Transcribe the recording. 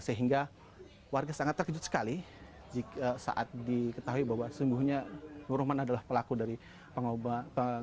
sehingga warga sangat terkejut sekali saat diketahui bahwa sesungguhnya nur rahman adalah pelaku dari pengobatan